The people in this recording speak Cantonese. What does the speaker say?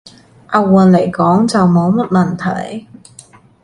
押韻來講，就冇乜問題